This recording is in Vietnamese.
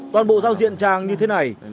toàn bộ giao diện trang như thế này